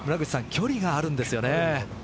距離があるんですよね。